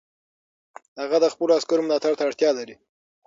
هغه د خپلو عسکرو ملاتړ ته اړتیا لري.